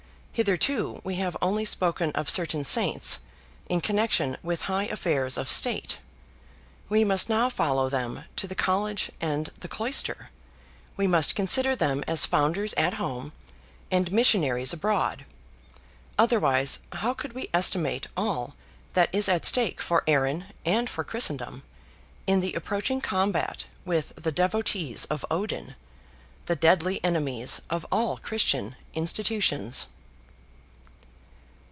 Hitherto we have only spoken of certain saints, in connection with high affairs of state. We must now follow them to the college and the cloister, we must consider them as founders at home, and as missionaries abroad; otherwise how could we estimate all that is at stake for Erin and for Christendom, in the approaching combat with the devotees of Odin,—the deadly enemies of all Christian institutions?